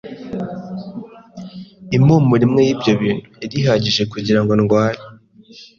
Impumuro imwe yibyo bintu yari ihagije kugirango ndwaye.